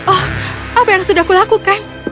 oh apa yang sudah kulakukan